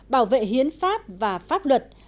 bảo vệ hiến pháp và pháp luật